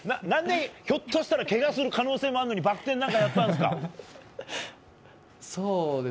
何で、ひょっとしたらけがする可能性もあるのにバク天なんかやったんですか？